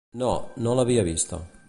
No, no l'havia vista.